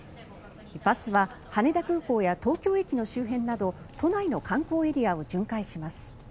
バスは羽田空港や東京駅の周辺など都内の観光エリアを巡回します。